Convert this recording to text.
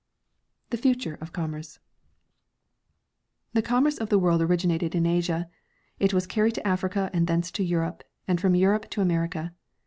The Future of Commerce. The commerce of the world originated in Asia ; it was carried to Africa and thence to Europe, and from Europe to America.